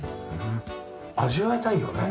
味わいたいよね。